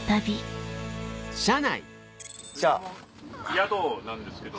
宿なんですけど。